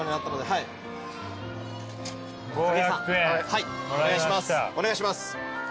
はいお願いします。